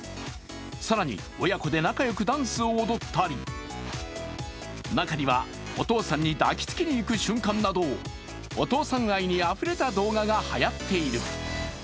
更に親子で仲良くダンスを踊ったり中にはお父さんに抱きつきに行く瞬間などお父さん愛にあふれた動画がはやっている。